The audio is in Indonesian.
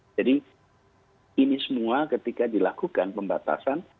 jadi ini semua ketika dilakukan pembatasan